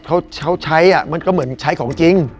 เขาใช้มันก็เหมือนใช้ของจริง